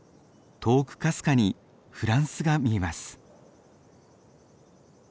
遠くかすかにフランスが見えます。